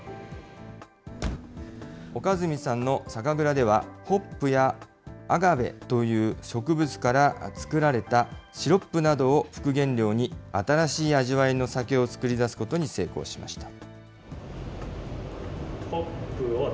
岡住さんの酒蔵では、ホップやアガベという植物から作られたシロップなどを副原料に、新しい味わいの酒を造り出すことに成功しました。